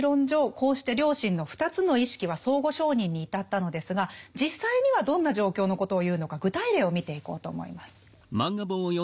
こうして良心の２つの意識は相互承認に至ったのですが実際にはどんな状況のことを言うのか具体例を見ていこうと思います。